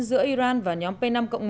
giữa iran và nhóm p năm một